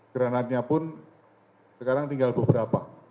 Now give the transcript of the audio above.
granatnya pun sekarang tinggal beberapa